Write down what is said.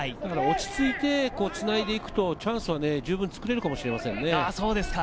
落ち着いてつないでいくとチャンスは十分作れるかもしれませんね。